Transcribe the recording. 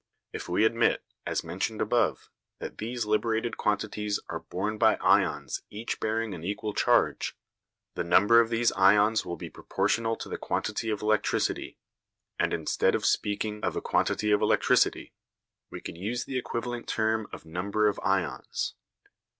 If we admit, as mentioned above, that these liberated quantities are borne by ions each bearing an equal charge, the number of these ions will be proportional to the quantity of electricity, and instead of speaking of a quantity of electricity, we could use the equivalent term of number of ions.